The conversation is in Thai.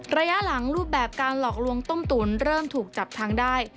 ระยะหลังรูปแบบการหลอกลวงต้มตุ๋นเริ่มถูกจับทางได้